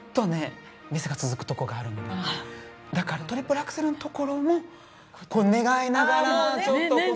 だからトリプルアクセルのところもこう願いながらちょっとこの。